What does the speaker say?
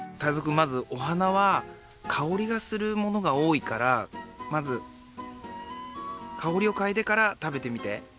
まずお花はかおりがするものがおおいからまずかおりをかいでから食べてみて。